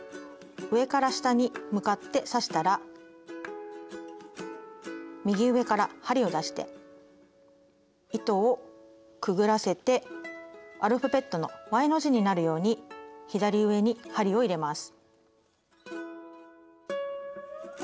上から下に向かって刺したら右上から針を出して糸をくぐらせてアルファベットの「Ｙ」の字になるように左上に針を入れます。